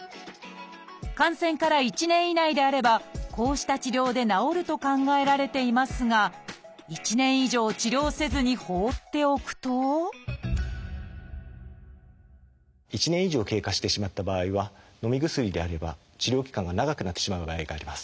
感染から１年以内であればこうした治療で治ると考えられていますが１年以上治療せずに放っておくと１年以上経過してしまった場合はのみ薬であれば治療期間が長くなってしまう場合があります。